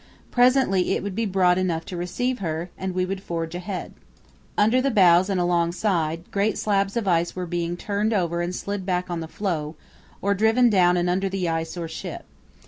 Presently it would be broad enough to receive her, and we would forge ahead. Under the bows and alongside, great slabs of ice were being turned over and slid back on the floe, or driven down and under the ice or ship.